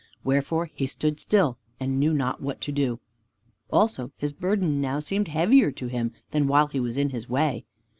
Wherefore he stood still, and knew not what to do. Also his burden now seemed heavier to him than while he was in his way.